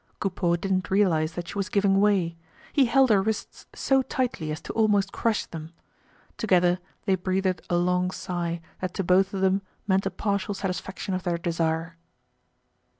Coupeau didn't realize that she was giving way. He held her wrists so tightly as to almost crush them. Together they breathed a long sigh that to both of them meant a partial satisfaction of their desire.